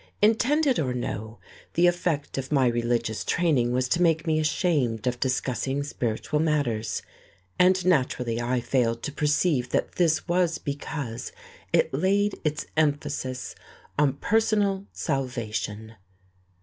Intended or no, the effect of my religious training was to make me ashamed of discussing spiritual matters, and naturally I failed to perceive that this was because it laid its emphasis on personal salvation....